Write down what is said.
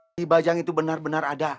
si bajang itu benar benar ada